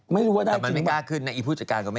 ไม่รู้ว่าได้จริงไหม